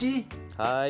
はい。